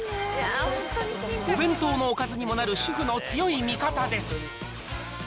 お弁当のおかずにもなる主婦の強い味方です。